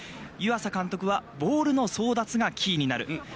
湯浅監督は、ボールの争奪がキーになる。